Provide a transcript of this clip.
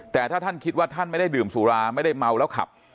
แต่ถ้าท่านคิดว่าท่านไม่ได้ดื่มสุราไม่ได้เมาแล้วขับ